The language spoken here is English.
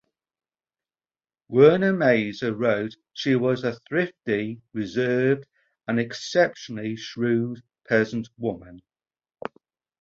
Werner Maser wrote she was a thrifty, reserved, and exceptionally shrewd peasant woman.